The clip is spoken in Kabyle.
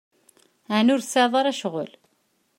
Ɛni ur tesɛiḍ ara ccɣel?